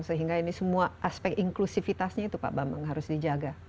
sehingga ini semua aspek inklusifitasnya itu pak bambang harus dijaga